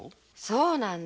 そうなの。